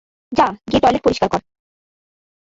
যা গিয়ে টয়লেট পরিষ্কার কর।